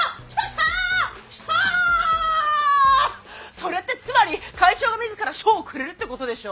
それってつまり会長が自ら賞をくれるってことでしょ！？